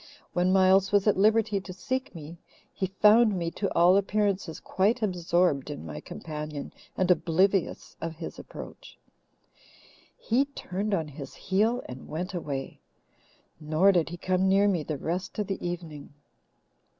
When Miles was at liberty to seek me, he found me, to all appearances, quite absorbed in my companion and oblivious of his approach. He turned on his heel and went away, nor did he come near me the rest of the evening.